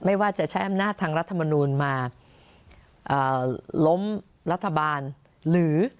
ไม่ว่าจะใช้อำนาจทางรัฐมนูลมาล้มรัฐบาลหรือ